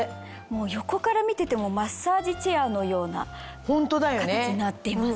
横から見ててもマッサージチェアのような形になっています。